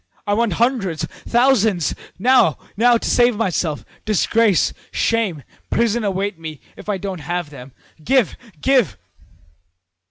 I want hundreds thousands now, now, to save myself! Disgrace, shame, prison await me if I don't have them. Give, give!'